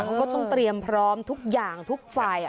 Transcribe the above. เขาก็ต้องเตรียมพร้อมทุกอย่างทุกฝ่าย